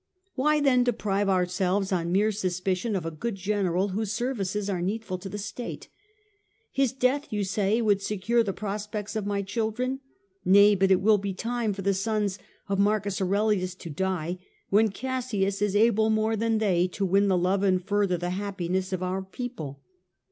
Why then deprive ourselves, on mere suspicion, of a good general, whose services are needful to the state ? His death, you say, would secure the prospects of my children. Nay, but it will be time for the sons of M. Aurelius to die when Cassius is able more than they to win the love and further the happiness of our people.